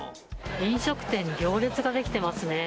飲食店に行列が出来てますね。